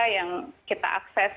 yang kita akses